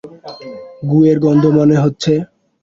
গু এর গন্ধ মনে হচ্ছে।